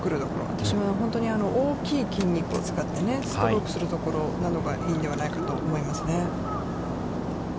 私は、本当に大きい筋肉を使ってストロークするところがいいのではないかと思いますね。